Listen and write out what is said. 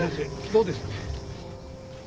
どうですか？